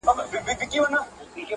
یو یار دي زه یم نور دي څو نیولي دینه؛